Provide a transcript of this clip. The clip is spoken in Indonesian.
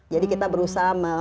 jadi kita berusaha meng interact